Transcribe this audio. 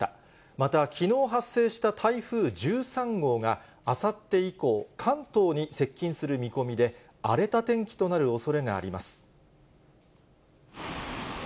また、きのう発生した台風１３号が、あさって以降、関東に接近する見込みで、荒れた天気となるおそれがあります。